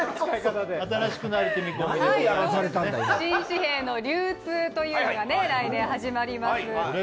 新紙幣の流通というのが来年始まります。